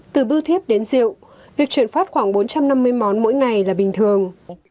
từ bưu thiếp đến rượu việc chuyển phát khoảng bốn trăm năm mươi món mỗi ngày là bình thường